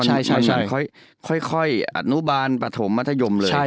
ใช่ค่อยอนุบาลปฐมมัธยมเลย